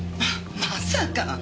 まさか！